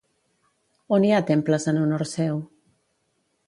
On hi ha temples en honor seu?